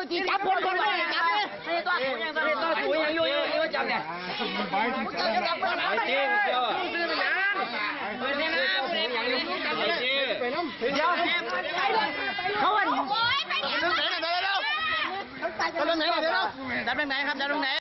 ตัวสูงอย่างเยอะ